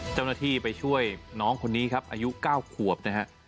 เจ้าหน้าที่ไปช่วยน้องคนนี้ครับอายุ๙ขวบนะฮะ